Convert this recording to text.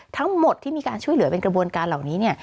ทั้งหมดที่มีการช่วยเหลือเป็นกระบวนการเหล่านี้เนี่ย